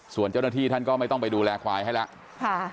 ส่วนเจ้าหน้าที่ท่านก็ไม่ต้องไปดูแลควายให้แล้ว